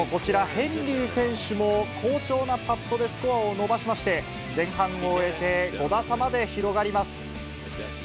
トップのこちら、ヘンリー選手も好調なパットでスコアを伸ばしまして、前半を終えて５打差まで広がります。